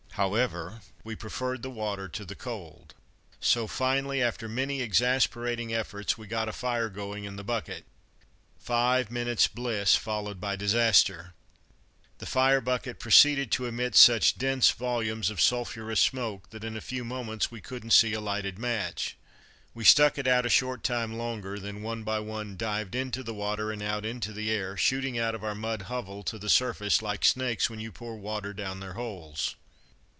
However, we preferred the water to the cold; so, finally, after many exasperating efforts, we got a fire going in the bucket. Five minutes' bliss followed by disaster. The fire bucket proceeded to emit such dense volumes of sulphurous smoke that in a few moments we couldn't see a lighted match. We stuck it a short time longer, then one by one dived into the water and out into the air, shooting out of our mud hovel to the surface like snakes when you pour water down their holes.